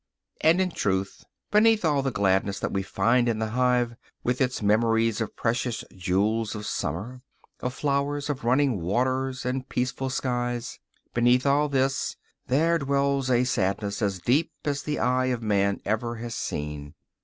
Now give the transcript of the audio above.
And in good truth, beneath all the gladness that we find in the hive, with its memories of precious jewels of summer of flowers, of running waters and peaceful skies beneath all this there dwells a sadness as deep as the eye of man ever has seen.